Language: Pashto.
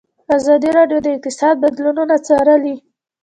ازادي راډیو د اقتصاد بدلونونه څارلي.